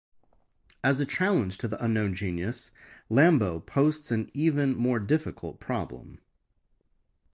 As a challenge to the unknown genius, Lambeau posts an even more difficult problem.